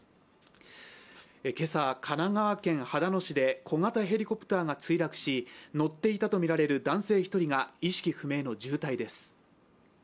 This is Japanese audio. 今朝、神奈川県秦野市で小型ヘリコプターが墜落し乗っていたとみられる男性１人が意識不明の重体です。